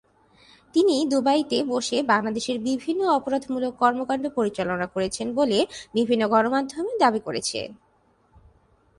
তিনি দুবাইতে বসে বাংলাদেশে বিভিন্ন অপরাধমূলক কর্মকাণ্ড পরিচালনা করেছেন বলে বিভিন্ন গণমাধ্যমে দাবি করেছে।